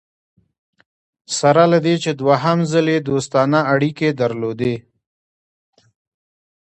سره له دې چې دوهم ځل یې دوستانه اړیکي درلودې.